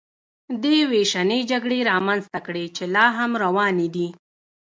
دې وېشنې جګړې رامنځته کړې چې لا هم روانې دي